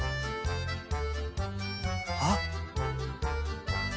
あっ。